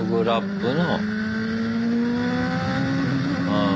うん？